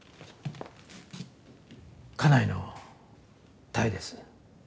家内の多江です。